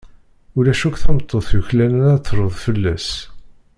Ulac akk tameṭṭut yuklalen ad truḍ fell-as.